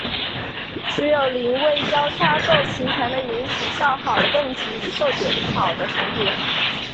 只有邻位交叉构型才能允许较好的供体与受体有好的重叠。